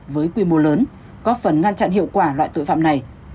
với quy mô lớn góp phần ngăn chặn hiệu quả loại tội phạm này